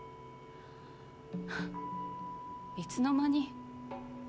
はぁいつの間に。